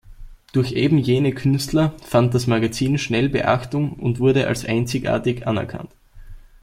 Durch eben jene Künstler fand das Magazin schnell Beachtung und wurde als einzigartig anerkannt.